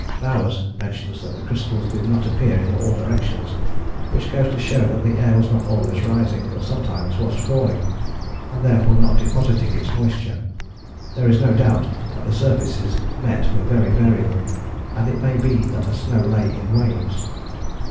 Bowers mentions that the crystals did not appear in all directions, which goes to show that the air was not always rising, but sometimes was falling and therefore not depositing its moisture. There is no doubt that the surfaces met were very variable, and it may be that the snow lay in waves.